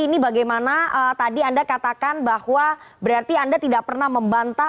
ini bagaimana tadi anda katakan bahwa berarti anda tidak pernah membantah